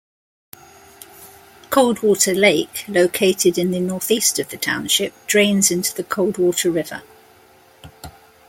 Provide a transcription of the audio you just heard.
Coldwater Lake, located in the northeast of the township, drains into the Coldwater River.